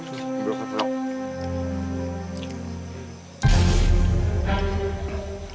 ini semuanya saya yang buat loh pak